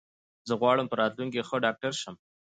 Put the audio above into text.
زه غواړم په راتلونکې کې ښه ډاکټر شم.